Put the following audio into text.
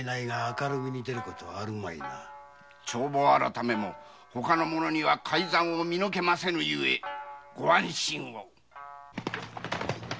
帳簿改めもほかの者には改竄を見抜けませぬゆえご安心を。